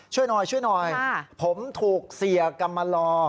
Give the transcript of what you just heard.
ช่วยหน่อยผมถูกเสียกำมาลอ